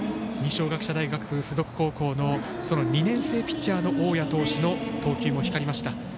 二松学舎大付属高校の２年生ピッチャーの大矢投手の投球も光りました。